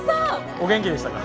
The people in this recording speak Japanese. お元気でしたか？